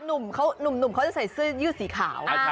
หนุ่มเขาจะใส่เสื้อยืดสีขาว